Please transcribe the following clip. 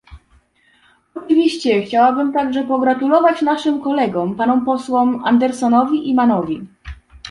Oczywiście chciałabym także pogratulować naszym kolegom, panom posłom Anderssonowi i Mannowi